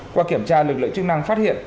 qua kiểm tra lực lượng chức năng phát hiện